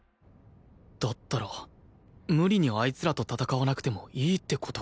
だったら無理にあいつらと戦わなくてもいいって事か